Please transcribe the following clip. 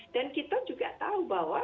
dan kita juga tahu bahwa